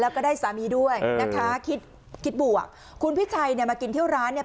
แล้วก็ได้สามีด้วยนะคะคิดคิดบวกคุณพิชัยเนี่ยมากินเที่ยวร้านเนี่ย